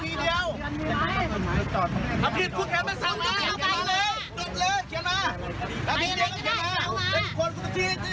มันจอดอย่างง่ายอย่างง่ายอย่างง่าย